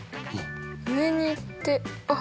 上に行ってあっ！